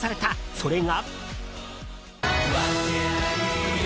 それが。